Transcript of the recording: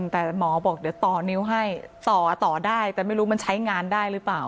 แต่หมอบอกเดี๋ยวต่อนิ้วให้ต่อต่อได้แต่ไม่รู้มันใช้งานได้หรือเปล่า